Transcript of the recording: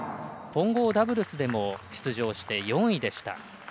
混合ダブルスでも出場して４位でした。